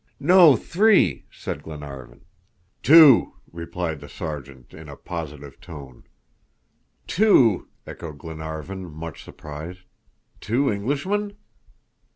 "No, three!" said Glenarvan. "Two!" replied the Sergeant, in a positive tone. "Two?" echoed Glenarvan, much surprised. "Two Englishmen?"